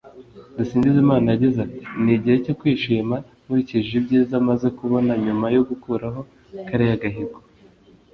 Dusingizimana yagize ati “Ni igihe cyo kwishima nkurikije ibyiza maze kubona nyuma yo gukuraho kariya gahigo